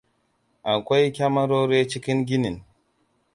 Akwai kyamarori cikin ginin.